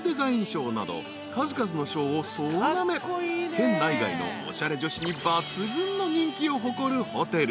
［県内外のおしゃれ女子に抜群の人気を誇るホテル］